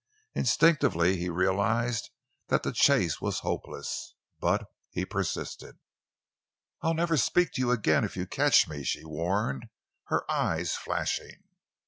Instinctively he realized that the chase was hopeless, but he persisted. "I'll never speak to you again if you catch me!" she warned, her eyes flashing.